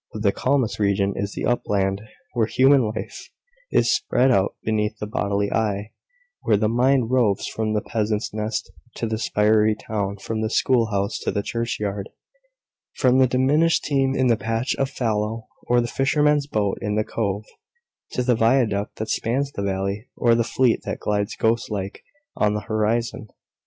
But the calmest region is the upland, where human life is spread out beneath the bodily eye, where the mind roves from the peasant's nest to the spiry town, from the school house to the churchyard, from the diminished team in the patch of fallow, or the fisherman's boat in the cove, to the viaduct that spans the valley, or the fleet that glides ghost like on the horizon.